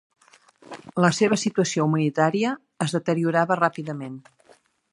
La seva situació humanitària es deteriorava ràpidament.